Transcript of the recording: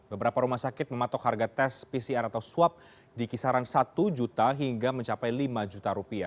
beberapa rumah sakit mematok harga tes pcr atau swab di kisaran rp satu juta hingga mencapai lima juta